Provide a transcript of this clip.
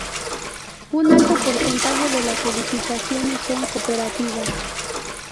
Un alto porcentaje de las edificaciones son cooperativas.